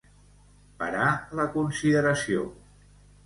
Parar la consideració.